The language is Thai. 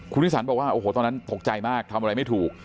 คุณวิสันบอกว่าโอ้โหตอนนั้นตกใจมากทำอะไรไม่ถูก